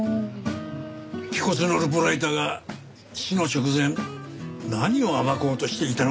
気骨のルポライターが死の直前何を暴こうとしていたのか。